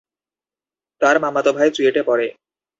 তার মামাতো ভাই চুয়েটে পড়ে।